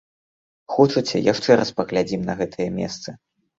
Хочаце, яшчэ раз паглядзім на гэтыя месцы!